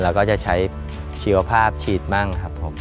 เราก็จะใช้ชีวภาพฉีดมั่งครับผม